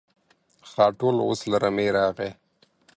خاټول اوس له رمې راغی.